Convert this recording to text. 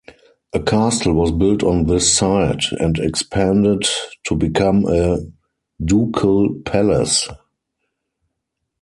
A castle was built on this site, and expanded to become a ducal palace.